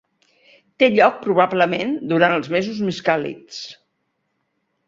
Té lloc probablement durant els mesos més càlids.